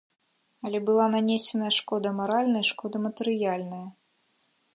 Але была нанесеная шкода маральная і шкода матэрыяльная.